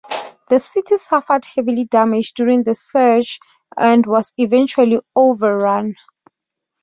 The city suffered heavy damage during the siege and was eventually overrun.